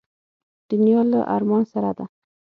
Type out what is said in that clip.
دنیا له ارمان سره ده.